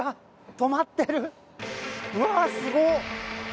うわすごっ！